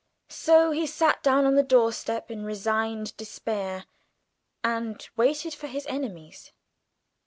So he sat down on the doorstep in resigned despair, and waited for his enemies.